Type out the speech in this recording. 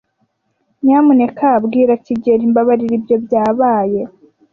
Nyamuneka bwira kigeli Mbabarira ibyo byabaye.